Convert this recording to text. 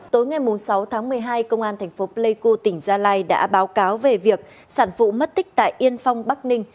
tối ngày sáu tháng một mươi hai công an thành phố pleiku tỉnh gia lai đã báo cáo về việc sản phụ mất tích tại yên phong bắc ninh